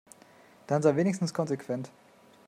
Dann sei wenigstens konsequent.